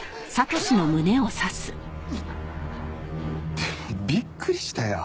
でもびっくりしたよ。